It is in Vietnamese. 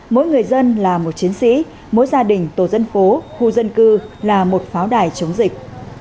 mỗi người dân là một chiến sĩ mỗi gia đình tổ dân phố khu dân cư là một pháo đài chống dịch